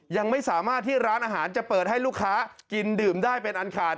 ยังไม่สามารถที่ร้านอาหารจะเปิดให้ลูกค้ากินดื่มได้เป็นอันขาด